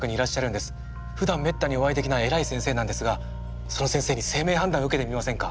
ふだんめったにお会いできない偉い先生なんですがその先生に姓名判断受けてみませんか？